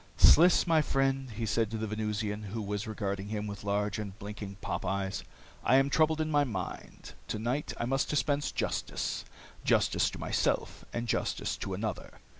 "Sliss, my friend," he said to the Venusian, who was regarding him with large, unblinking pop eyes, "I am troubled in my mind. Tonight I must dispense justice. Justice to myself and justice to another.